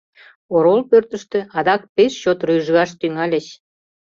Орол пӧртыштӧ адак пеш чот рӱжгаш тӱҥальыч.